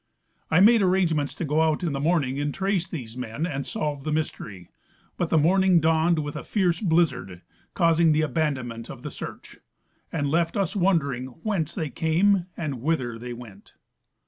I made arrangements to go out in the morning and trace these men and solve the mystery ; but the morning dawned with a fierce blizzard, causing the abandonment of the search, and left us wondering whence they came and whither they went.